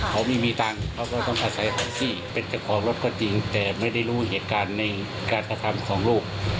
ของพี่ที่ต่างพี่เป็นเจ้าของรถก็สิแต่ไม่ได้รู้เหตุการณ์ในการกระทำของลูก